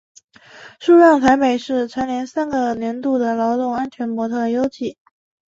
苏让台北市蝉联三个年度的劳动安全特优纪。